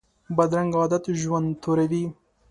بدرنګه عادت ژوند توروي